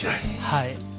はい。